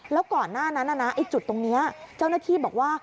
แล้วก่อนหน้านั้นจุดตรงนี้เจ้าหน้าที่บอกว่า